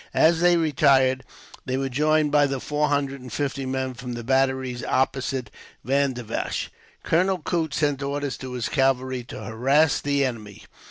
As they retired, they were joined by the four hundred and fifty men from the batteries opposite Vandivash. Colonel Coote sent orders to his cavalry to harass the enemy.